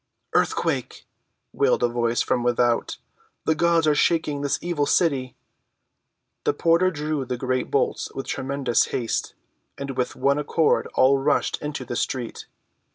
"Earthquake!" wailed a voice from without. "The gods are shaking this evil city!" The porter drew the great bolts with tremulous haste, and with one accord all rushed into the street.